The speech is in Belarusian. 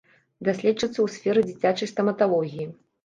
Даследчыца ў сферы дзіцячай стаматалогіі.